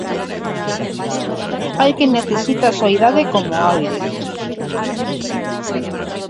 Hai quen necesita a soidade como o aire.